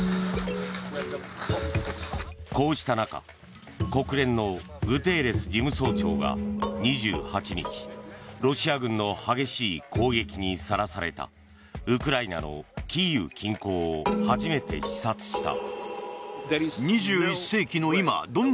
こうした中、国連のグテーレス事務総長が２８日ロシア軍の激しい攻撃にさらされたウクライナのキーウ近郊を初めて視察した。